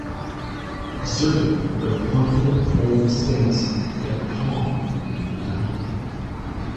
Assertive with confident bold stance yet calm and manageable.